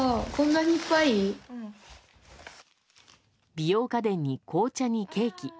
美容家電に紅茶にケーキ。